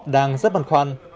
đang rất bằng khoan